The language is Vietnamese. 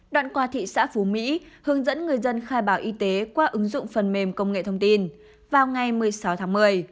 đoạn qua thị xã phú mỹ hướng dẫn người dân khai báo y tế qua ứng dụng phần mềm công nghệ thông tin vào ngày một mươi sáu tháng một mươi